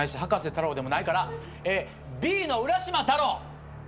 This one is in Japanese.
太郎でもないからＢの浦島太郎。